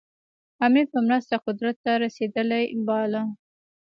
امیر په مرسته قدرت ته رسېدلی باله.